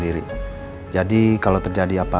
dia bisa terawal